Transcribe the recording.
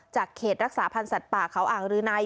เขตรักษาพันธ์สัตว์ป่าเขาอ่างรืนัย